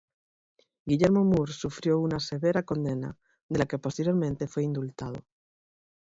Guillermo Moore sufrió una severa condena, de la que posteriormente fue indultado.